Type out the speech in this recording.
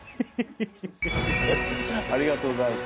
ありがとうございます。